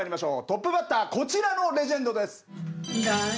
トップバッターこちらのレジェンドです。